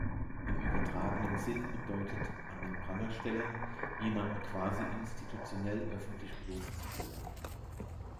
Im übertragenen Sinn bedeutet „An den Pranger stellen“, jemanden quasi-institutionell öffentlich bloßzustellen.